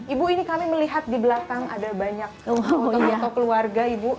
ibu ini kami melihat di belakang ada banyak otot otot keluarga